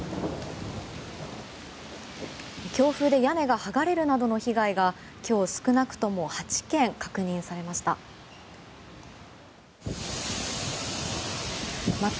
強風で屋根が剥がれるなどの被害が今日、少なくとも８件確認されました。